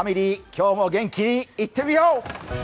今日も元気にいってみよう！